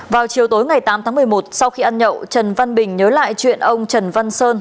vào chiều tối ngày tám tháng một mươi một sau khi ăn nhậu trần văn bình nhớ lại chuyện ông trần văn sơn